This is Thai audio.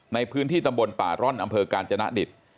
ในพื้นที่ตำบลป่าร่อนอำเภอกาญจนดิต